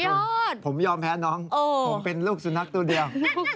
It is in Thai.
ผมยอมแพ้น้องผมเป็นลูกสุนัขตัวเดียว